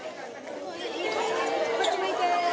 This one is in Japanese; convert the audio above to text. こっち向いて。